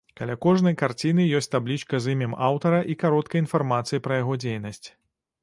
Каля кожнай карціны ёсць таблічка з імем аўтара і кароткай інфармацыяй пра яго дзейнасць.